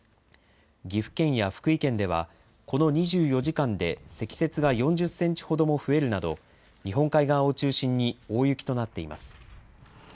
岐阜県や福井県では、この２４時間で積雪が４０センチほども増えるなど日本海側を中心に大雪となっています。